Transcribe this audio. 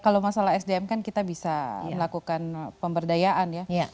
kalau masalah sdm kan kita bisa melakukan pemberdayaan ya